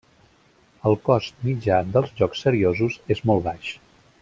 El cost mitjà dels jocs seriosos és molt baix.